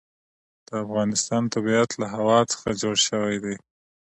د افغانستان طبیعت له هوا څخه جوړ شوی دی.